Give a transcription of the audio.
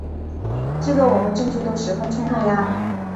这个我们证据都非常充分呀。